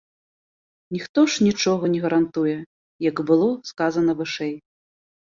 Ніхто ж нічога не гарантуе, як было сказана вышэй.